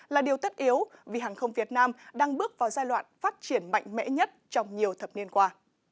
là điều tất yếu vì hàng không việt nam đang bước vào giai đoạn phát triển mạnh mẽ nhất trong nhiều thập niên qua